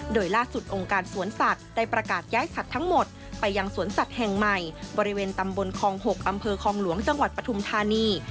โดยล่าสุดองค์การสวนสัตว์ได้ประกาศย้ายสัตว์ทั้งหมดไปยังสวนสัตว์แห่งใหม่บริเวณตำบลคอง๖อำเภอคลองหลวงจังหวัดปฐุมธานี